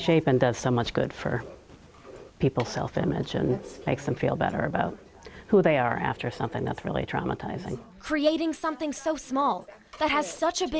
apa yang belum mereka ketahui